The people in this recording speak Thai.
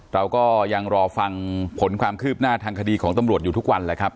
เราก็ยังรอฟังผลความคืบหน้าทางคดีของตำรวจอยู่ทุกวันแหละครับ